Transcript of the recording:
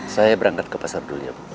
saya berangkat ke pasar dulu ya bu